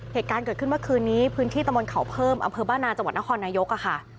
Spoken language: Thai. เหตุการณ์เกิดขึ้นเมื่อคืนนี้พื้นที่ตะมนต์เขาเพิ่มอำเภอบ้านนาจังหวัดนครนายกค่ะ